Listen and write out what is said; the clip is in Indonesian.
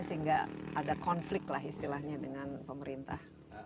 sehingga ada konflik lah istilahnya dengan pemerintah